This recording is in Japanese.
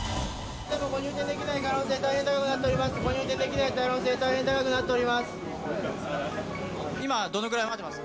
ご入店できない可能性、大変高くなっております。